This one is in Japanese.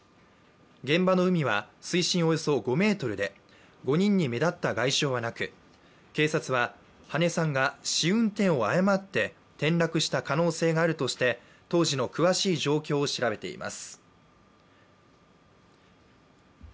現場の海は水深およそ５ｍで５人に目立った外傷はなく警察は羽根さんが運転を誤って転落した可能性があるとみて当時の詳しい状況を調べています。